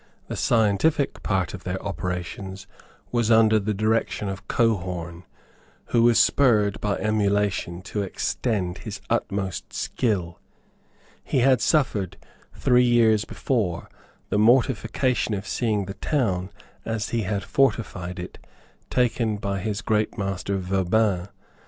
The scientific part of their operations was under the direction of Cohorn, who was spurred by emulation to exert his utmost skill. He had suffered, three years before, the mortification of seeing the town, as he had fortified it, taken by his great master Vauban.